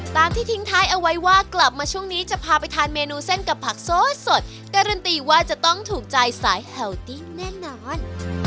ตามที่ทิ้งท้ายเอาไว้ว่ากลับมาช่วงนี้จะพาไปทานเมนูเส้นกับผักสดการันตีว่าจะต้องถูกใจสายแฮลติ้งแน่นอน